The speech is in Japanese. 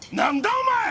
お前！